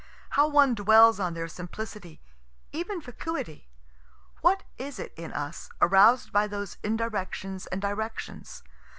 How one dwells on their simplicity, even vacuity! What is it in us, arous'd by those indirections and directions?